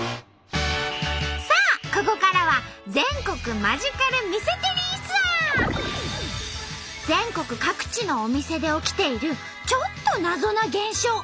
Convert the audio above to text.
さあここからは全国各地のお店で起きているちょっとナゾな現象。